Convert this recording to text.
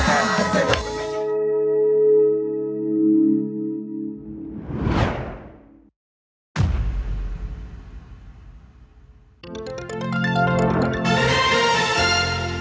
โปรดติดตามตอนต่อไป